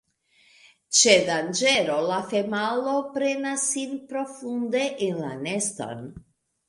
Ĉe danĝero, la femalo premas sin profunde en la neston.